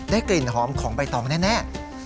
กลิ่นหอมของใบตองแน่